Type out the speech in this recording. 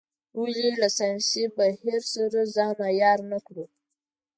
ولې له ساینسي بهیر سره ځان عیار نه کړو.